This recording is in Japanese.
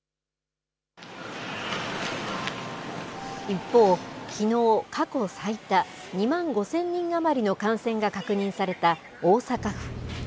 一方、きのう、過去最多２万５０００人余りの感染が確認された大阪府。